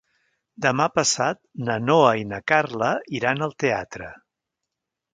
Demà passat na Noa i na Carla iran al teatre.